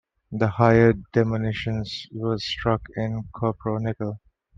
The higher denominations were struck in cupro-nickel.